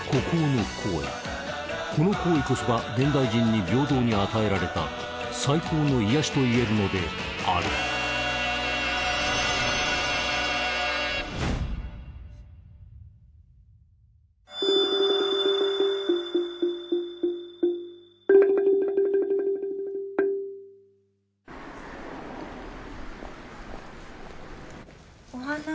この行為こそが現代人に平等に与えられた最高の癒やしといえるのであるお花